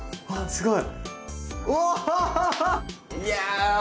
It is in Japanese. すごい。